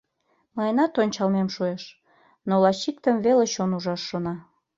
Мыйынат ончалмем шуэш, но лач иктым веле чон ужаш шона.